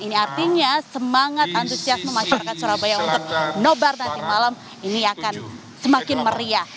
ini artinya semangat antusiasme masyarakat surabaya untuk nobar nanti malam ini akan semakin meriah